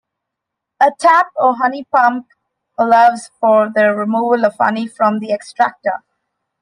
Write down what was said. A tap or honey pump allows for the removal of honey from the extractor.